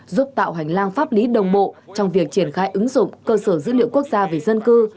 giúp tạo hành lang pháp lý đồng bộ trong việc triển khai ứng dụng cơ sở dữ liệu quốc gia về dân cư